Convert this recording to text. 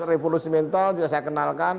revolusi mental juga saya kenalkan